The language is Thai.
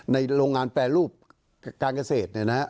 โรงงานแปรรูปการเกษตร